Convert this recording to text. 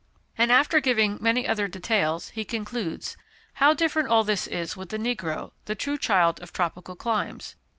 And, after giving many other details, he concludes, "How different all this is with the Negro, the true child of tropical climes!